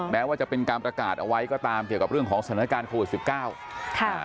แม้ว่าจะเป็นการประกาศเอาไว้ก็ตามเกี่ยวกับเรื่องของสถานการณ์โควิดสิบเก้าค่ะ